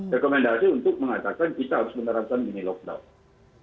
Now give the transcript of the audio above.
rekomendasi untuk mengatakan kita harus menerapkan mini lockdown